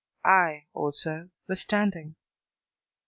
I, also, was standing.